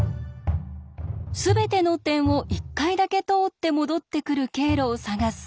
すべての点を１回だけ通って戻ってくる経路を探す